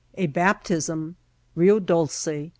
— A Baptism.— Rio Dolce.